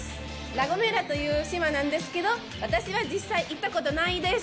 ラ・ゴメラという島なんですけど、私は実際、行ったことはないです。